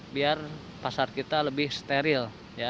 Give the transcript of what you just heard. biar pasar kita lebih steril